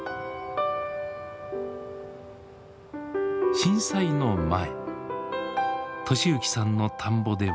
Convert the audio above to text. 震災の前利幸さんの田んぼでは。